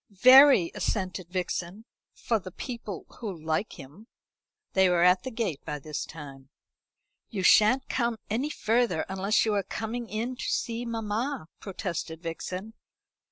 "Very," assented Vixen, "for the people who like him." They were at the gate by this time. "You shan't come any further unless you are coming in to see mamma," protested Vixen.